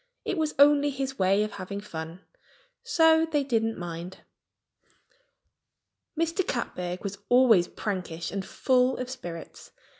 It was only his way of having fun; so they didn't mind. Mr. Catbird was always prankish and full of spirits.